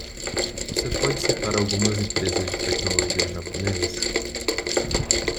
Você pode citar algumas empresas de tecnologia japonesas?